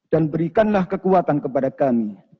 dan berikanlah kekuatan kepada kami